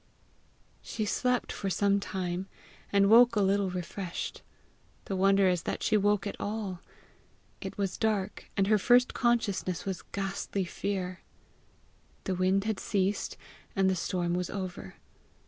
She slept for some time, and woke a little refreshed. The wonder is that she woke at all. It was dark, and her first consciousness was ghastly fear. The wind had ceased, and the storm was over.